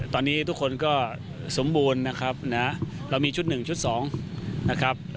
ตอนนี้ทุกคนก็สมบูรณ์และเรามีชุด๑ชุด๒